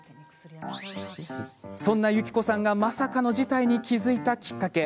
そんなゆきこさんがまさかの事態に気付いたきっかけ。